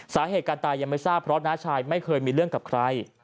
สาเหตุการตายยังไม่ทราบเพราะน้าชายไม่เคยมีเรื่องกับใคร